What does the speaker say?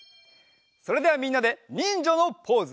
それではみんなでにんじゃのポーズ！